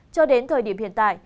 cho đến thời điểm hiện tại